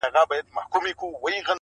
مرغلري په ګرېوان او په لمن کي!!